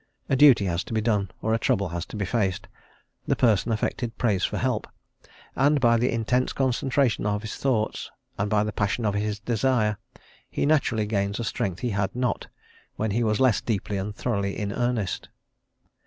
A duty has to be done or a trouble has to be faced; the person affected prays for help, and by the intense concentration of his thoughts, and by the passion of his desire, he naturally gains a strength he had not, when he was less deeply and thoroughly in earnest.